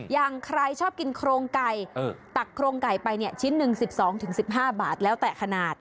อย่างใครชอบกินโครงไก่เออตักโครงไก่ไปเนี่ยชิ้นหนึ่งสิบสองถึงสิบห้าบาทแล้วแต่ขนาด